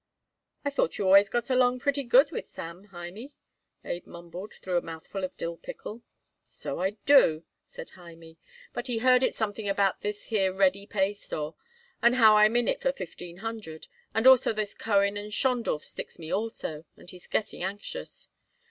"I thought you always got along pretty good with Sam, Hymie," Abe mumbled through a mouthful of dill pickle. "So I do," said Hymie; "but he heard it something about this here Ready Pay Store and how I'm in it for fifteen hundred, and also this Cohen & Schondorf sticks me also, and he's getting anxious.